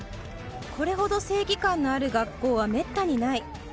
これほど正義感のある学校はめったにない。